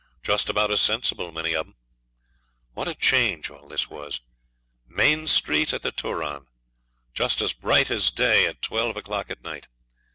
Just about as sensible, many of 'em. What a change all this was! Main Street at the Turon! Just as bright as day at twelve o'clock at night.